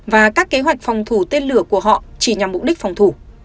và các kế hoạch phòng thủ tên lửa của họ chỉ nhằm mục đích phòng thủ